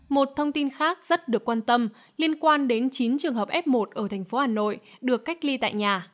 một thông tin khác rất được quan tâm liên quan đến chín trường hợp f một ở thành phố hà nội được cách ly tại nhà